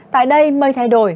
tại đây mây thay đổi